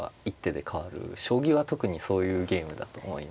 将棋は特にそういうゲームだと思います。